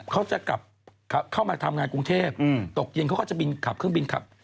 เขาจะเข้ามาทำงานกรุงเทพฯตกเย็นเขาก็จะขับเครื่องบิน